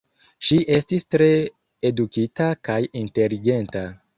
Ŝi estis tre edukita kaj inteligenta.